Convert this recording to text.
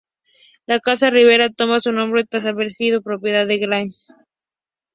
La Casa Rivera, toma su nombre tras haber sido propiedad del Gral.